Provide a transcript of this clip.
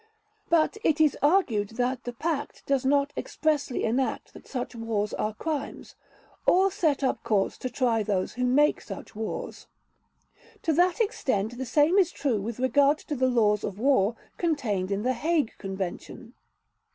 But it is argued that the Pact does not expressly enact that such wars are crimes, or set up courts to try those who make such wars. To that extent the same is true with regard to the laws of war contained in the Hague Convention.